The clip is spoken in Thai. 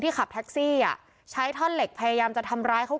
ขับแท็กซี่อ่ะใช้ท่อนเหล็กพยายามจะทำร้ายเขา